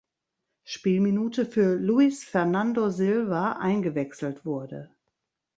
Spielminute für Luis Fernando Silva eingewechselt wurde.